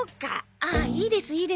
ああいいですいいです。